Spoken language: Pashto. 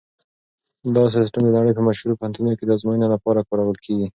دا سیسټم د نړۍ په مشهورو پوهنتونونو کې د ازموینو لپاره کارول کیږي.